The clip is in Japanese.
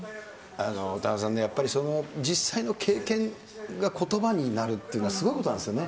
田中さんね、実際の経験がことばになるっていうのはすごいことなんですよね。